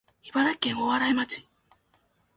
茨城県大洗町